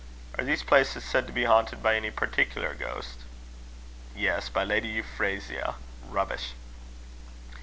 Are these places said to be haunted by any particular ghost?" "Yes. By Lady Euphrasia Rubbish!"